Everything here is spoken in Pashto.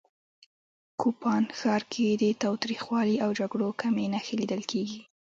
کوپان ښار کې د تاوتریخوالي او جګړو کمې نښې لیدل کېږي